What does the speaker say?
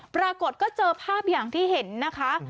ปรากฏก็เจอภาพอย่างที่เห็นนะคะ